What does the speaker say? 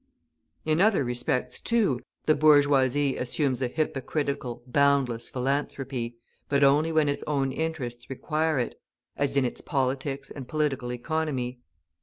In other respects, too, the bourgeoisie assumes a hypocritical, boundless philanthropy, but only when its own interests require it; as in its Politics and Political Economy.